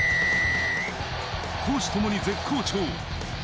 攻守ともに絶好調。